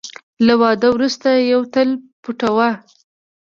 له واده وروسته یوه تل پټوه .